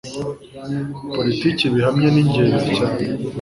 politiki bihamye ningenzi cyane